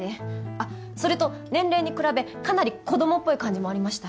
あっそれと年齢に比べかなり子どもっぽい感じもありました。